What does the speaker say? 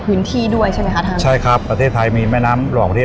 พื้นที่ด้วยใช่ไหมคะท่านใช่ครับประเทศไทยมีแม่น้ำหล่อประเทศ